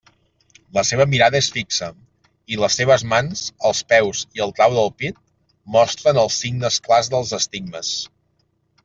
La seva mirada és fi xa, i les seves mans, els peus i el trau del pit mostren els signes clars dels estigmes.